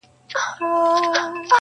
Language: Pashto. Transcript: • ښکلې ته ښکلی دي خیال دی,